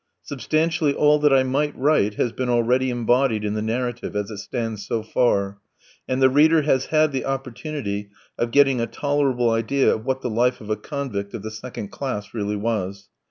Substantially all that I might write has been already embodied in the narrative as it stands so far; and the reader has had the opportunity of getting a tolerable idea of what the life of a convict of the second class really was.